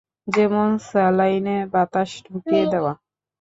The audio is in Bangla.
যেমন স্যালাইনে বাতাস ঢুকিয়ে দেওয়া।